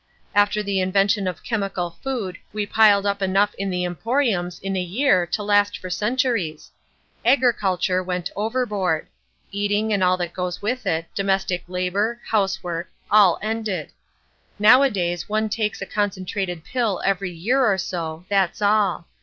After the invention of Chemical Food we piled up enough in the emporiums in a year to last for centuries. Agriculture went overboard. Eating and all that goes with it, domestic labour, housework—all ended. Nowadays one takes a concentrated pill every year or so, that's all.